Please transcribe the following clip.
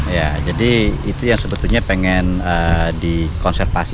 ya jadi itu yang sebetulnya pengen dikonservasi